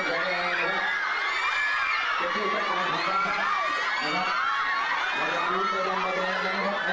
อยากรู้เกิดอะไรอยากรู้ครับในเมือง